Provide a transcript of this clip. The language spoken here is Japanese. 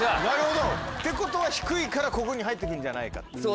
なるほどってことは低いからここに入って来るんじゃないかと。